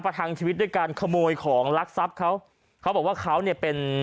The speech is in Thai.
ทังชีวิตด้วยการขโมยของลักทรัพย์เขาเขาบอกว่าเขาเนี่ยเป็น